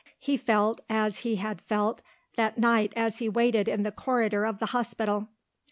He felt as he had felt that night as he waited in the corridor of the hospital.